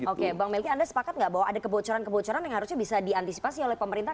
oke bang melki anda sepakat nggak bahwa ada kebocoran kebocoran yang harusnya bisa diantisipasi oleh pemerintah